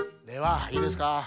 ではいいですか？